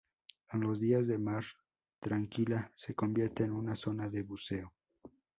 En los días de mar tranquila se convierte en una zona de buceo.